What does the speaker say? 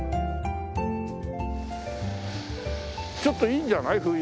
ちょっといいんじゃない？